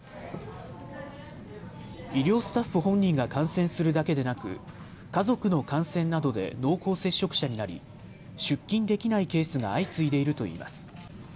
医療スタッフ本人が感染するだけでなく家族の感染などで濃厚接触者になり出勤できないケースが相次いでいるといいます。